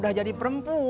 yang lebih fleksibel